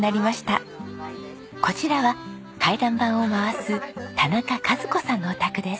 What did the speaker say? こちらは回覧板を回す田中一子さんのお宅です。